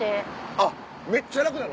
あっめっちゃ楽なの？